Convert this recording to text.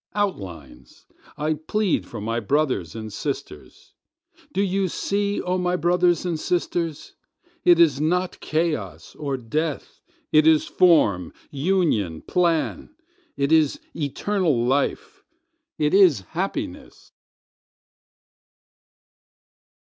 Outlines! I plead for my brothers and sisters. Do you see, O my brothers and sisters? It is not chaos or death—it is form, union, plan—it is eternal life—it is HAPPINESS.